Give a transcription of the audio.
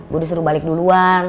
gue disuruh balik duluan